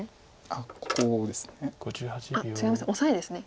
ここですね？